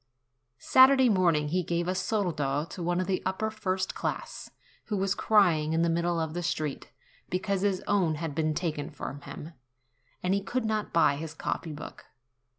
Saturday morning he gave a soldo to one of the upper first class, who was crying in the middle of the street, because his own had been taken from him, and he could not buy his copy book.